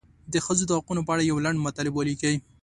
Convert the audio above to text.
د ښځو د حقونو په اړه یو لنډ مطلب ولیکئ.